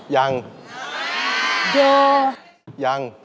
ยังเดี๋ยว